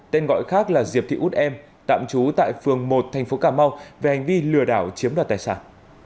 tên gọi khác là diệp thị út em tạm trú tại phường một thành phố cà mau về hành vi lừa đảo chiếm đoạt tài sản